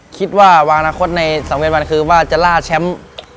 คิดว่าวางอนาคตใน๒๑วันคือว่าจะล่าแชมป์